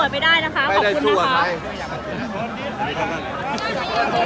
พี่ถอยนิดนึงครับ